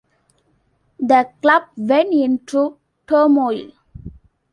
The club went into turmoil.